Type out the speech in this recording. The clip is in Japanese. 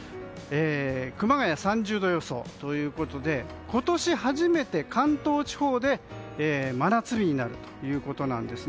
熊谷、３０度予想ということで今年初めて関東地方で真夏日になるということなんです。